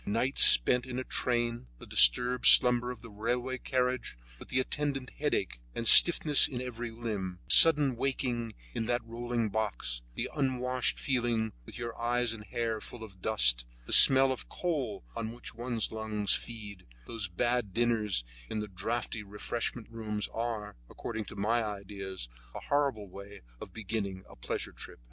Nights spent in a train, the disturbed slumbers of the railway carriage, with the attendant headache, and stiffness in every limb, the sudden waking in that rolling box, the unwashed feeling, with your eyes and hair full of dust, the smell of the coal on which one's lungs feed, those bad dinners in the draughty refreshment rooms are, according to my ideas, a horrible way of beginning a pleasure trip.